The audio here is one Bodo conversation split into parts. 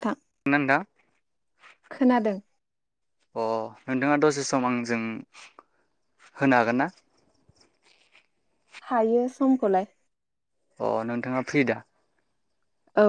[unintelligible] ना नोंथां खोनादों अ नोंथाङा दसे सम आंजों होनो हागोन ना? हायो समखौलाय। अ नोंथाङा फ्रि दा? औ।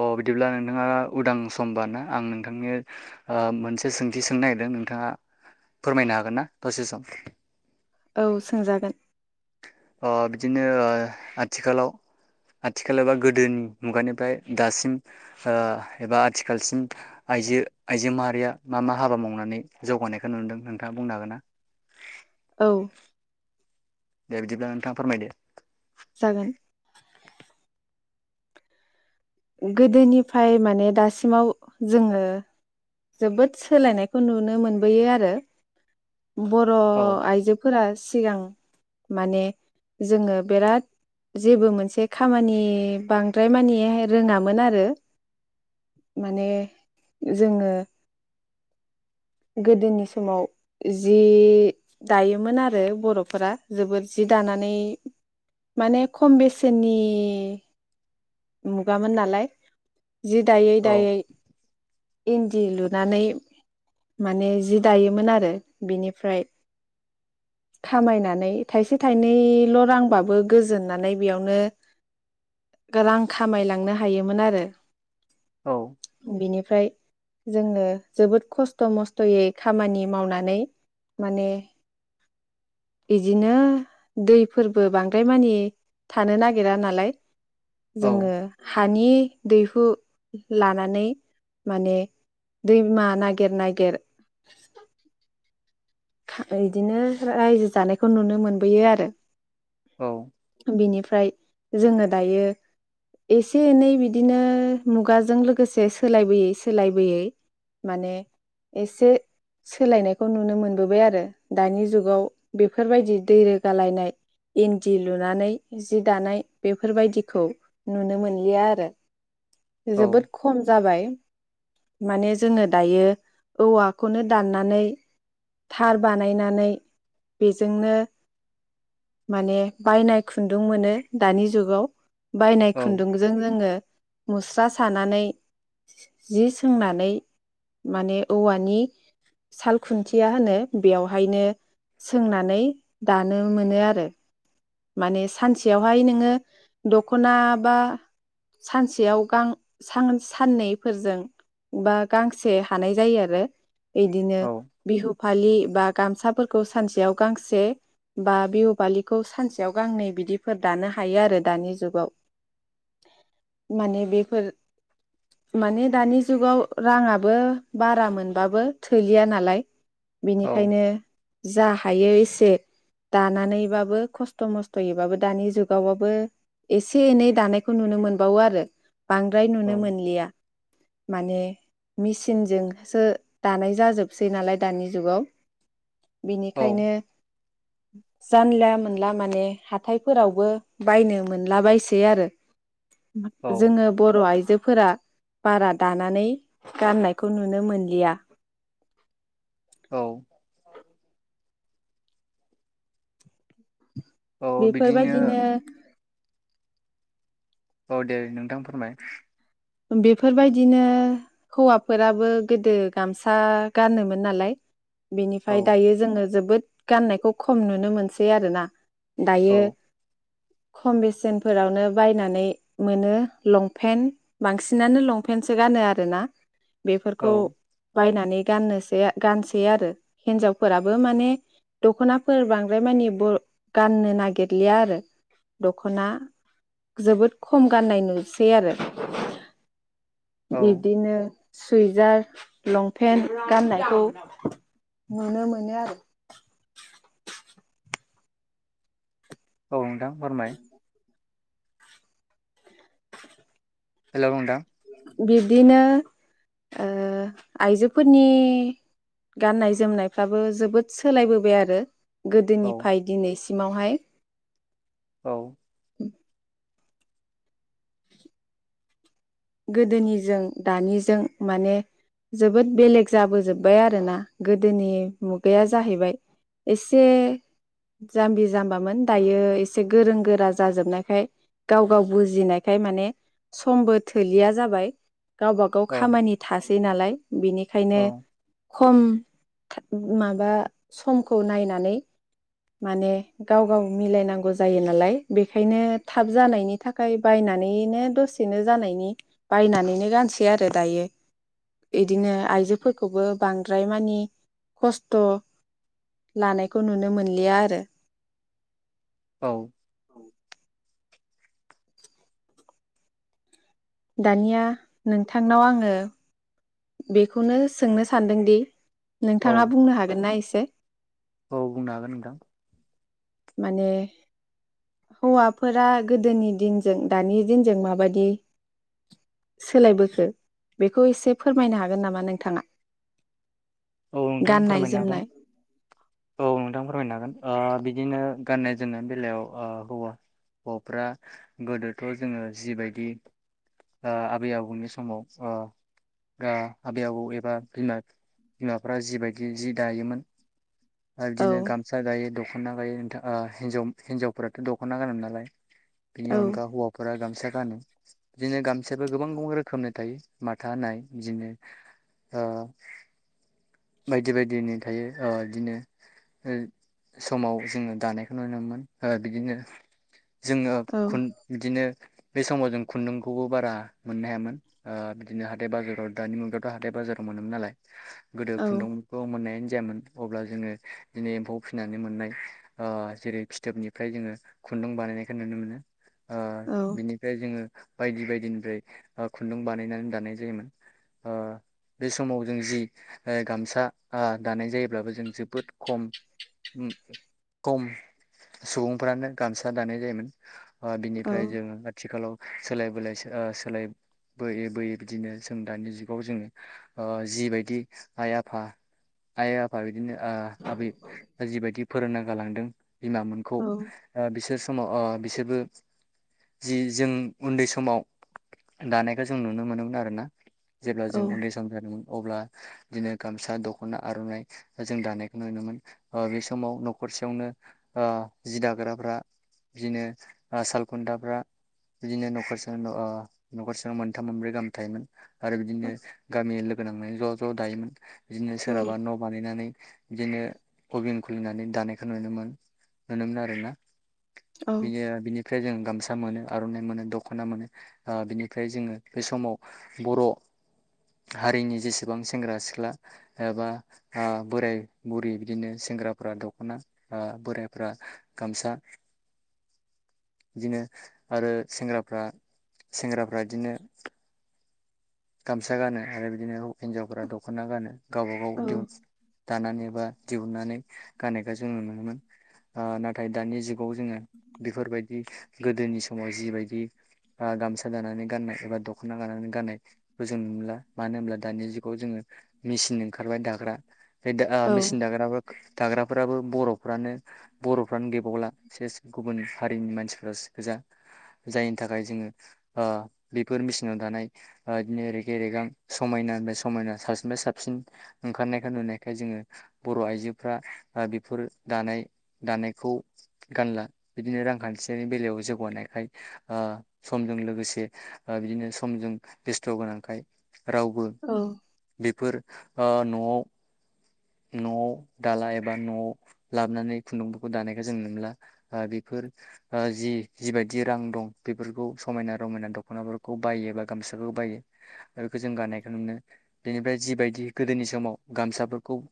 अ बिदिब्ला नोंथाङा उदां समबार ना आं नोंथांनि मोनसे सोंथि सोंनो नागिरदों नोंथाङा फोरमायनो हागोन ना? दसे सम औ सोंजागोन। बिदिनो आथिखालाव आथिखाल एबा गोदोनि मुगानिफ्राय दासिम एबा आथिखालसिम आइजो आइजो माहारिया मा मा हाबा मावनानै जौगानायखौ नुदों नोंथाङा बुंनो हागोन ना? औ। दे बिदिब्ला नोंथाङा फोरमायदो। जागोन। गोदोनिफ्राय माने दासिमाव जोङो जोबोद सोलायनायखौ नुनो मोनबोयो आरो। बर' औ आइजोफोरा सिगां माने जोङो बिराद जेबो मोनसे खामानि बांद्राय मानि रोङामोन आरो माने जोङो गोदोनि समाव जि दायोमोन आरो बर'फोरा जोबोद जि दानानै माने खम बेसेननि मुगामोन नालाय। जि दायै औ दायै इनदि लुनानै। माने जि दायोमोन आरो बिनिफ्राय खामायनानै थाइसे थाइनैल' रांबाबो गोजोननानै बेयावनो रां खामायलांनो हायोमोन आरो। औ। फ्राय जोंनो जोबोद खस्थ' खस्थ' मस्थ'यै खामानि मावनानै, माने बिदिनो दैफोरबो बांद्राय मानि थानो नागिरा नालाय। औ जोङो हानि दैहु लानानै माने दैमा नागिरनाय। गेर इदिनो रायजो जानायखौ नुनो मोनबोयो आरो। औ बिनि ओमफ्राय जोङो दायो एसे एनै बिदिनो मुगाजों लोगोसे सोलायबोयै सोलायबोयै माने एसे सोलायनायखौ नुनो मोन बोबाय आरो दानि जुगाव बेफोरबायदि दै रोगालायनाय इन्दि लुनानै जि दानाय बेफोरबायदिखौ नुनो मोनलिया आरो। जोबोद औ खम जाबाय। माने जोङो दायो औवाखौनो दाननानै थार बानायनानै बेजोंनो माने बायनाय खुन्दुं मोनो दानि जुगाव। बायनाय औ खुन्दुंजों जोङो मुस्रा सानानै जि सोंनानै माने औवानि साल खुन्थिया नो बेयावहायनो सोंनानै दानो मोनो आरो माने सानसेयावहाय नोङो दखना बा सानसेयाव गां साननैफोरजों बा गांसे हानाय जायो आरो। इदिनो औ बिहु फालि बा गामसाफोरखौ सानसेयाव गांसे, बा बिहु फालिखौ सानसेयाव गांनै बिदिफोर दानो हायो आरो दानि जुगाव माने बेफोर माने दानि जुगाव राङाबो बारा मोनबाबो थोलिया नालाय। औ बेनिखायनो जा थायो एसे दानानैबाबो खस्थ' मस्थ'यैबाबो दानि जुगावबाबो एसे एनै दानायखौ नुनो मोनबावो आरो। बांद्राय औ नुनो मोनलिया। माने मेसिनजोंसो दानाय जाजोबसै नालाय दानि जुगाव औ बेनिखायनो जानला मोनला माने हाथाइफोरावबो बायनो मोनला बायसै आरो औ जोङो बर' आइजोफोरा बारा दानानै गाननायखौ नुनो मोनलिया औ औ बिदिनो बेफोरबायदिनो औ दे नोंथां फोरमाय बेफोरबायदिनो हौवाफोराबो गोदो गामसा गानोमोन नालाय औ बेनिफ्राय दायो जोङो जोबोद गाननायखौ खम नुनो मोनसै आरोना दायो औ खम बेसेनफोरावनो बायनानै मोनो लंपेन्ट बांसिनानो लंपेन्टसो गानो आरोना औ बेफोरखौ बायनानै नै गाननोसै गानसै आरो हिनजावफोराबो माने दख'नाफोर बांद्राय मानि बर गाननो नागिरलिया आरो दख'ना जोबोद खम गाननाय नुसै आरो औ [inaudible] बिदिनो सुवइजार लंपेन्ट गाननायखौ नुनो मोनो आरो औ नोंथां फोरमाय [inaudible] हेल' नोंथां बिब्दिनो ओ आइजोफोरनि गाननाय जोमनायफ्राबो जोबोद सोलायबोबाय आरो औ गोदोनिफ्राय दिनै सिमावहाय औ गोदोनिजों दानिजों माने जोबोद बेलेग जाबोजोब्बाय आरोना गोदोनि मुगाया जाहैबाय एसे जाम्बि जाम्बामोन दायो एसे गोरों गोरा जाजोबनायखाय गाव गाव बुजिनायखाय माने समबो थोलिया जाबाय गावबा गाव औ खामानि थासै नालाय औ बिनिखायनो खम माबा समखौ नायनानै माने गाव गाव मिलायनांगौ जायो नालाय बेखायनो थाब जानायनि थाखाय बायनानैनो दसेनो जानायनि बायनानैनो गानसै आरो दायो बिदिनो आइजोफोरखौबो बांद्राय मानि खस्थ' लानायखौ नुनो मोनलिया आरो औ दानिया नोंथांनाव आङो बेखौनो सोंनो सानदोंदि नोंथाङा बुंनो हागोननाा एसे औ बुंनो हागोन नोंथां माने हौवाफोरा गोदोनि दिनजों दानि दिनजों माबायदि सोलायबोखो बेखौ एसे फोरमायनो हागोन नामा नोंथाङा? औ नोंथां गाननाय फोरमायनो हागोन जोमनाय औ नोंथां फोरमायनो हागोन ओ बि दिनो गाननाय जोमनायनि बेलायाव ओ हौवा हौवाफ्रा गोदोथ' जोङो जिबायदि ओ आबै आबौनि समाव ओ आ आबै आबौ एबा बिमा बिमाफ्रा जिबायदि जि दायोमोन आरो बिदिनो औ गामसा दायो दख' ना गायो नोंथा ओ हिन्जाव हिन्जावफोराथ' दख'ना गानो नालाय बेनि औ अनगा हौवाफोरा गामसा गानो। दिनो गाम सायाबो गोबां गोबां रोखोमनि थायो। माथा होनाय बिदिनो ओ बायदि बायदिनि थायो ओ इदिनो समाव जोङो दानायखौ नुनो मोन ओ बिदिनो‌ जोङो औ खुन इदिनो बे समाव जों खुन्दुंखौबो बारा मोननो हायामोन ओ बिदिनो हाथाय बाजाराव दानि मुगायावथ' हाथाय बाजाराव मोनोमोन नालाय। गोदो खुन्दुंखौ मोननायानो जायामोन। अब्ला जोङो इदिनो एम्फौ फिसिनानै मोननाय ओ जेरै फिथोबनिफ्राय जोङो खुन्दुं बानायनायखौ नुनो मोनो। ओ औ बिनिफ्राय जोङो बायदि बायदिनिफ्राय ओ खुन्दुं बानायनानै दानाय जायोमोन ओ बे समाव जों जि ओ गामसा आ दानाय जायोब्लाबो जों जोबोद खम उम खम सुबुंफ्रानो गामसा दानाय जायोमोन। ओ औ बिनिफ्राय जों आथिखालाव सोलाय बोलाय सो सोलायबोयै बोयै बिदिनो जों दानि जुगाव जोङो ओ जिबायदि आइ आफा आइ आफा बिदिनो ओआबै जिबायदि फोरोंना गालांदों बिमामोनखौ औ ओ बिसोरस समाव ओ बिसोरबो जि जों उन्दै समाव दानायखौ जों नुनो मोनोमोन आरो ना। जेब्ला औ जों उन्दै सम जादोंमोन। अब्ला बिदिनो गामसा, दख'ना, आर'नाइ जों दानायखौ नुनो मोन ओ बे समाव न'खरसेयावनो ओ जि दाग्राफ्रा बिदिनो ओ सालखुन्थाफ्रा बिदिनो न'खरसेनो ओ न'खरसेयाव मोनथाम मोनब्रै गाम थायोमोन। आरो बिदिनो गामि लोग गोनांनाय ज' ज' दायोमोन। बिदिनो सोरहाबा न' बानायनानै बिदिनो अइभिं खुलिनानै दानायखौ नुनोमोन नुनोमोन आरोना औ बिनि बिनिफ्राय जों गाम सा मोनो आर'नाइ मोनो दख'ना मोनो ओ बिनिफ्राय जोङो बे समाव बर' हारिनि जेसेबां सो सेंग्रा सिख्ला एबा ओ बोराय बुरि बिदिनो सेंग्राफ्रा दख'ना ओ बोरायफ्रा गामसा इदिनो आरो सेंग्राफ्रा सेंग्राफ्रा बिदिनो गामसा गानो आरो बिदिनो औ हिन्जावफोरा दख'ना गानो गावबा गाव औ दिहुन दानानै बा दिहुननानै गानायखो जों नुनोमोन ओ नाथाय दानि जुग खौ जोङो बेफोरबादि जों नुनो मोनला मानो होनब्ला दानि जुगाव जोङो मिसिन ओंखारबाय दाग्रा बे दा ओ औ मिसिन दाग्राबो दाग्राब फोराबो बर'फ्रानो बर'फ्रानो गैबावला सेस गुबुन हारिनि मानसिफ्रासो गोजा जायनि थाखाय जोङो ओ बेफोर मेसिनाव दानाय ओ इदिनो रेगे रेगां समायनानिफ्राय समायना साबसिननिफ्राय साबसिन ओंखारनायखाय नुनायखाय जोङो बर' आइजोफ्रा ओ बेफोर दानाय दानायखौ गानला बिदिनो रांखान्थियानि बेलायाव जौगानायखाय ओ समजों लोगोसे ओ बिदिनो समजों बेस्थ' गोनांखाय रावबो बेफोर ओ न'आव न'आव दाला एबा न'आव लाबोनानै खुन्दुंफोरखौ दानायखौ जों नुला ओ बेफोर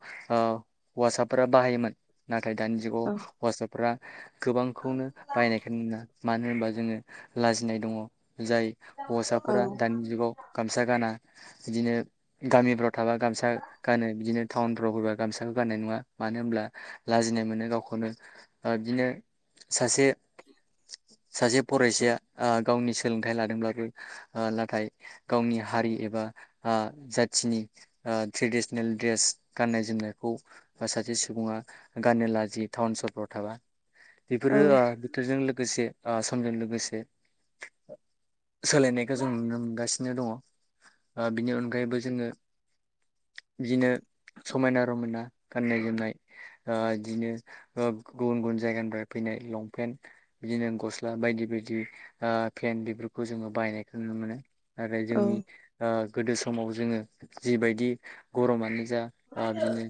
ओ हौवासाफोरा बाहायोमोन नाथाय दानि जुगाव हौवासाफ्रा गोबांखौनो बायनायखोनो नुनो मोना मानो होनोबा जोङो लाजिनाय दङ जाय हौवासाफोरा दानि जुगाव गामसा गाना बिदिनो गामिफ्राव थाबा गामसा गानो बिदिनो टाउनफ्राव फैबा गामसाखौ गाननाय नुवा मानो होनब्ला लाजिनाय मोनो गावखौनो ओ बिदिनो सासे सासे फरायसाया ओ गावनि सोलोंथाइ लादोंब्लाबो ओ नाथाय गावनि हारि एबा ओ जाथिनि ओ ट्रेडिसनेल ड्रेस गाननाय जोमनायखौ बा सासे सुबुङा गाननो लाजियो टाउन सहरफ्राव थाबा औ बेफोरो ओ बोथोरजों लोगोसे ओ समजों लोगोसे सोलायनायखौ जों नुनो मोनगासिनो दङ ओ बिनि अनगायैबो जोङो बिदिनो समायना रमायना गाननाय जोमनाय ओ इदिनो गुबुन गुबुन जायगानिफ्राय फैनाय लंपेन्ट बिदिनो गस्ला बायदि बायदि ओ पेन्ट बेफोरखौ जोङो बाहायनायखौ नुनो मोनो नाथाय जोंनि ओ गोदो समाव जोङो जिबायदि गरमानो जा आ बिदिनो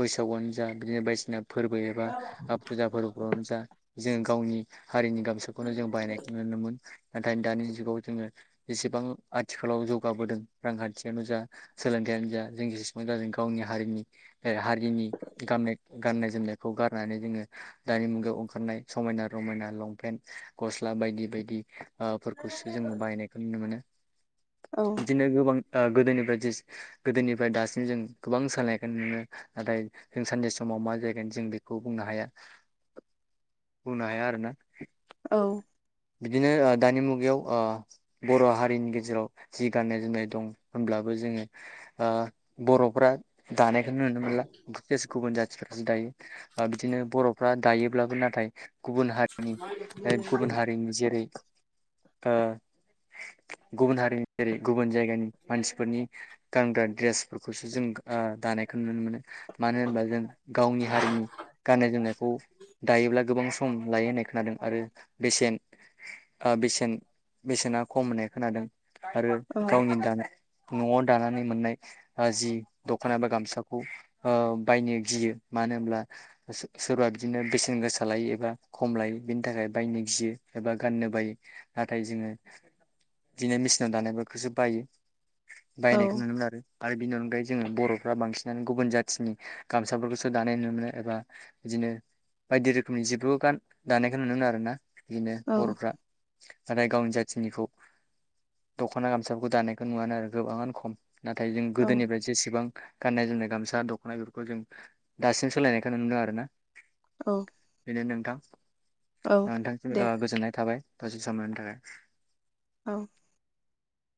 बैसागुआनो जा बिदिनो बायदिसिना फोरबो एबा फुजा फोरबोफ्रावनो जा जों गावनि हारिनि गामसा खौनो जों बायनायखौ मोनोमोन नाथाय दानि जुगाव जोङो जेसेबां आथिखालाव जौगाबोदों रांखान्थियानो जा सोलोंथायानो जा जों जेसेबां जाजों गावनि हारिनि हारिनि गामनाय गाननाय जोमनायखौ गारनानै जोङो दानि मुगायाव ओंखारनाय समायना रमायना लंपेन्ट गस्ला बायदि बायदि ओ फोरखौसो जोङो बाहायनायखौ नुनो मोनो बिदिनो गोबां ओ गोदोनिफ्राय जेस गोदोनिफ्राय दासिम जों गोबां सोलायखौ नुनो मोनो नाथाय जों सानसे समाव मा जाहैगोन जों बेखौ बुंनो हाया बुंनो हाया आरो ना औ बिदिनो ओ दानि मुगायाव ओ बर' हारिनि गेजेराव जि गाननाय जोमनाय दं होमब्लाबो जोङो ओ बर'फ्रा दानायखौनो नुनो मोनला सेस गुबुन जाथिफोर जि दायो ओ बिदिनो बरफ्रा दायोब्लाबो नाथाय गुबुन हारि [inaudible] जेरै ओ गुबुन हारिनि जेरै गुबुन जायगानि मानसिफोरनि गानग्रा द्रेसफोरखौसो जों ओ दानायखौ नुनो मोनो होनोबा जों गावनि हारिनि गाननाय जोमनायखौ दायोब्ला गोबां सम लायो होननाय खोनादों आरो बेसेन ओ बेसेन बेसेना खम होननाय खोनादों आरो गावनि दानाय नआव दानानै मोननाय ओ जि दखनाबा गामसाखौ ओ बायनो गियो मानो होनब्ला सोसोरबा बिदिनो बेसेन गोसा लायो एबा खम लायो बेनि थाखाय बायनो गियो एबा गाननो बायो नाथाय जोङो बिदिनो मेसिनाव दानायफोरखौसो बायो बायनायखौ नुनो मोना आरो बिनि अनगायै जोङो बरफ्रा बांसिनानो गुबुन जाथिनि गामसाफोरखौसो दानाय नुनो मोनो एबा बिदिनो बायदि रोखोमनि जिब्रु गान दानायखौ नुनो मोनो आरो ना बिदिनो बरफ्रा नाथाय गावनि जाथिनिखौ दखना गामसाफोरखौ दानायखौ नुवानोआरो गोबाङानो खम नाथाय जों गोदोनिफ्राय जेसेबां गान्नाय जोमनाय गामसा दखना बेफोरखौ जों दासिम सोलायनायखौ नुनो मोन्दों आरो ना औ बेनो नोंथां औ नोंथां दे गोजोननाय थाबाय दसे सम [unintelligible] थाखाय औ